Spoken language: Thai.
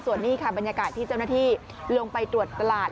ส่วนนี้ค่ะบรรยากาศที่เจ้าหน้าที่ลงไปตรวจตลาด